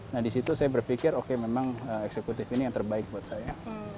nah disitu saya berpikir oke memang eksekutif ini yang terbaik buat saya